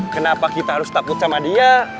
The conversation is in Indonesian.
kenapa kita harus takut sama dia